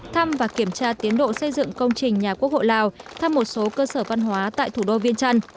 thăm và kiểm tra tiến độ xây dựng công trình nhà quốc hội lào thăm một số cơ sở văn hóa tại thủ đô viên trăn